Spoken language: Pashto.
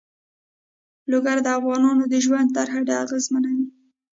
لوگر د افغانانو د ژوند طرز اغېزمنوي.